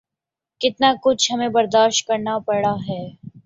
کتنا کچھ ہمیں برداشت کرنا پڑا ہے۔